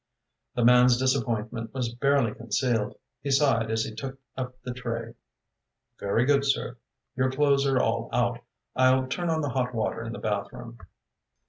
The man's disappointment was barely concealed. He sighed as he took up the tray. "Very good, sir. Your clothes are all out. I'll turn on the hot water in the bathroom."